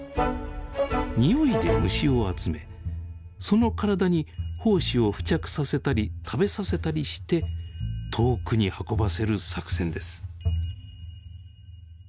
においで虫を集めその体に胞子を付着させたり食べさせたりして遠くに運ばせる作戦です。